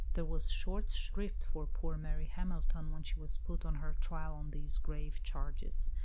There was short shrift for poor Mary Hamilton when she was put on her trial on these grave charges.